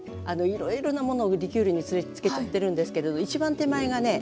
いろいろなものをリキュールに漬けちゃってるんですけれど一番手前がね